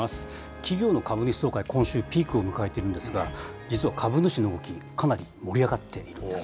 企業の株主総会、今週、ピークを迎えているんですが、実は株主の動き、かなり盛り上がっているんです。